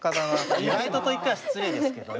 意外とと言っては失礼ですけどね。